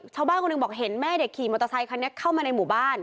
ชาวบ้านคนหนึ่งบอกเห็นแม่เด็กขี่มอเตอร์ไซคันนี้เข้ามาในหมู่บ้าน